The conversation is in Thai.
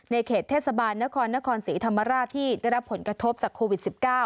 เขตเทศบาลนครนครศรีธรรมราชที่ได้รับผลกระทบจากโควิด๑๙